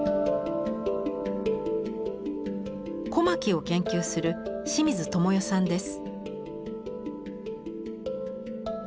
小牧を研究する清水智世さんです。